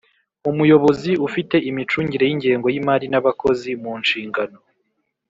Umuyobozi ufite imicugire y’ingengo y’imari n’abakozi munshingano